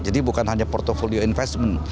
jadi bukan hanya portfolio investment